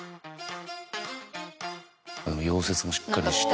溶接もしっかりして。